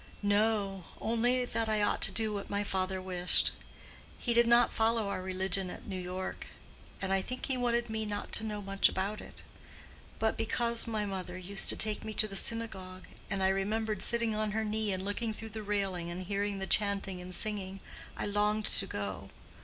"No—only that I ought to do what my father wished. He did not follow our religion at New York, and I think he wanted me not to know much about it. But because my mother used to take me to the synagogue, and I remembered sitting on her knee and looking through the railing and hearing the chanting and singing, I longed to go.